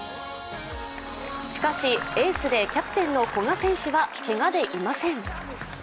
しかし、エースでキャプテンの古賀選手はけがでいません。